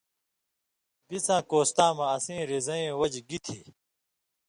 بِڅاں کوستاں مہ اسیں رِزَئیں وجہۡ گی تھی؟